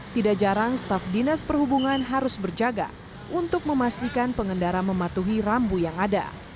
tidak jarang staf dinas perhubungan harus berjaga untuk memastikan pengendara mematuhi rambu yang ada